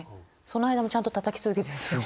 その間もちゃんとたたき続けてるんですよ。